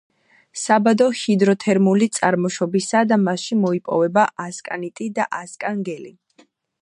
საბადო ჰიდროთერმული წარმოშობისაა და მასში მოიპოვება ასკანიტი და ასკანგელი.